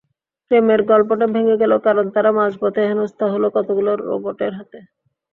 প্রেমের গল্পটা ভেঙে গেল, কারণ তারা মাঝপথে হেনস্তা হলো কতগুলো রোবটের হাতে।